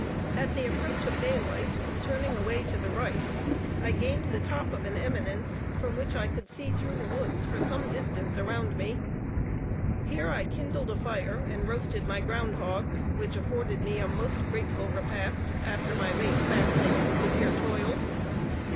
At the approach of daylight, turning away to the right, I gained the top of an eminence, from which I could see through the woods for some distance around me. Here I kindled a fire and roasted my ground hog, which afforded me a most grateful repast, after my late fasting and severe toils.